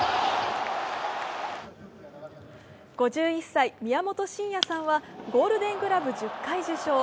５１歳・宮本慎也さんはゴールデングラブ１０回受賞。